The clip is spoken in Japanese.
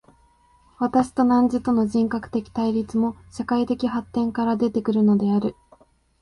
私と汝との人格的対立も、社会的発展から出て来るのである。